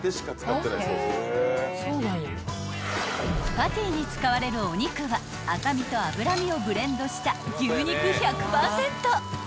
［パティに使われるお肉は赤身と脂身をブレンドした］